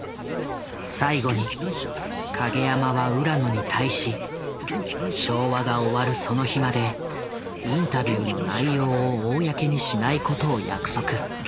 最後に影山は浦野に対し昭和が終わるその日までインタビューの内容を公にしないことを約束。